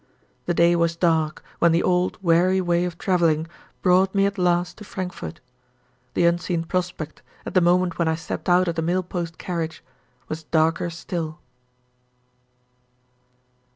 The day was dark, when the old weary way of traveling brought me at last to Frankfort. The unseen prospect, at the moment when I stepped out of the mail post carriage, was darker still.